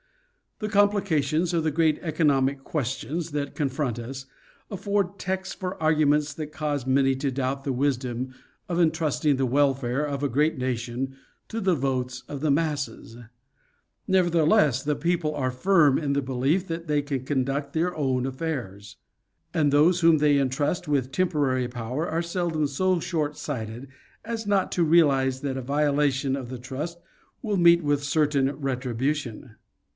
The complications of the great economic questions that confront us afford texts for arguments that cause many to doubt the wisdom of entrusting the welfare of a great nation to the votes of the masses; never theless, the people are firm in the belief that they can conduct their own affairs ; and those whom they intrust with temporary power are seldom so short sighted as not to realize that a violation © 32 National Geographic Magazine. of the trust will meet with certain retribution.